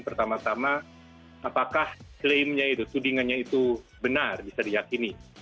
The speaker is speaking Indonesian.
pertama tama apakah klaimnya itu tudingannya itu benar bisa diyakini